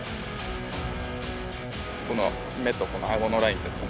この目とこの顎のラインですね。